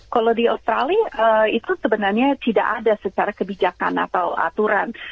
kalau di australia itu sebenarnya tidak ada secara kebijakan atau aturan